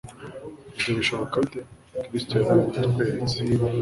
Ibyo bishoboka bite? Kristo yarabitweretse.